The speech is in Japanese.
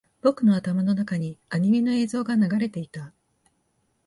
僕の頭の中にアニメの映像が流れていた